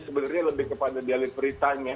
sebenarnya lebih kepada delivery time ya